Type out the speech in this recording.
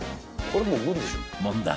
問題